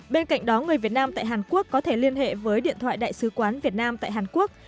bên cạnh đó người việt nam tại hàn quốc có thể liên hệ với điện thoại đại sứ quán việt nam tại hàn quốc